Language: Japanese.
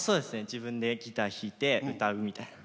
自分でギター弾いて歌うみたいな。